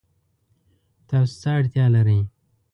تاسو څه اړتیا لرئ؟